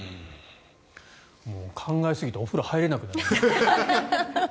考えすぎてお風呂入れなくなります。